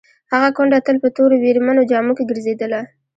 هغه کونډه تل په تورو ویرمنو جامو کې ګرځېدله.